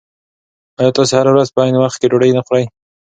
ایا تاسي هره ورځ په عین وخت کې ډوډۍ خورئ؟